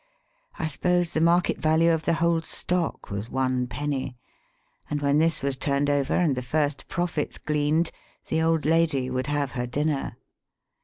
I suppose the market value of the whole stock was one penny, and when this was turned over and the first profits gleaned the old lady would have her dinner.